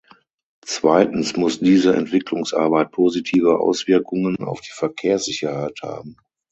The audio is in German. Zweitens muss diese Entwicklungsarbeit positive Auswirkungen auf die Verkehrssicherheit haben.